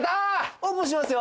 オープンしますよ